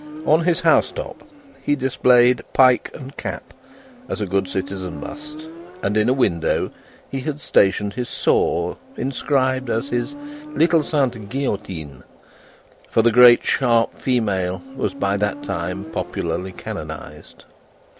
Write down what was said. On his house top, he displayed pike and cap, as a good citizen must, and in a window he had stationed his saw inscribed as his "Little Sainte Guillotine" for the great sharp female was by that time popularly canonised.